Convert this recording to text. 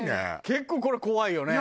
結構これ怖いよね。